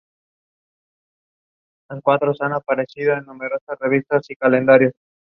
Como Borges, Bolaño retrata el campo como el origen de todo.